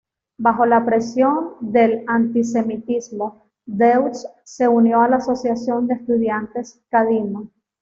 Bajo la presión del antisemitismo, Deutsch se unió a la asociación de estudiantes "Kadima".